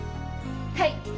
はい！